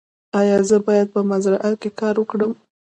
ایا زه باید په مزرعه کې کار وکړم؟